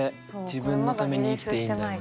「自分のために生きていいんだよ」。